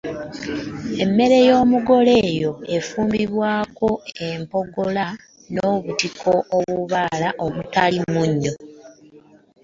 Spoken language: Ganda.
Emmere y’omugole eyo efumbirwako empogola n’obutiko obubaala omutali munnyo.